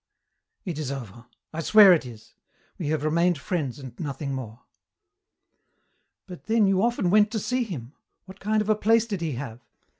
"It is over. I swear it is. We have remained friends and nothing more." "But then you often went to see him. What kind of a place did he have?